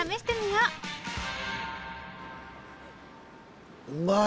うまい！